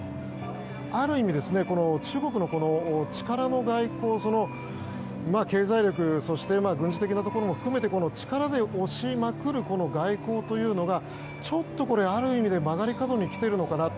ある意味、中国の力の外交経済力、そして軍事的なところも含めて力で押しまくる外交というのが、ある意味で曲がり角に来ているのかなと。